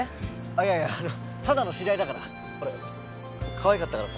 いやいやただの知り合いだからかわいかったからさ